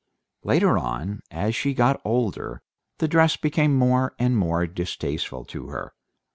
Later on, as she got older, dress became more and more distasteful to her.